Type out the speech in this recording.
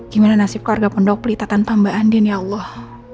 gimana nasib keluarga pendokplita tanpa mbak andin ya allah